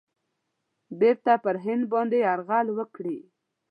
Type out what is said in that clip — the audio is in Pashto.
بیرته پر هند باندي یرغل وکړي.